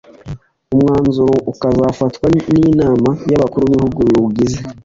umwanzuro ukazafatwa n’Inama y’Abakuru b’Ibihugu biwugize